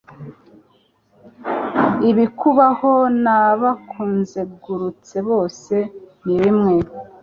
Ibikubaho n'abakuzengurutse bose nibimwe